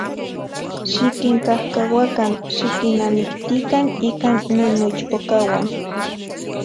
Xikinkajkauakan, xikinnamiktikan ika nanmoichpokauan.